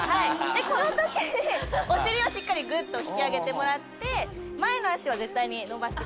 このときにお尻をしっかりぐっと引き上げてもらって前の脚は絶対に伸ばしてください。